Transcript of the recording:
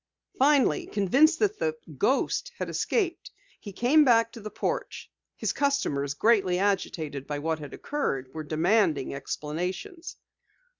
Finally, convinced that the "ghost" had escaped he came back to the porch. His customers, greatly agitated by what had occurred, were demanding explanations.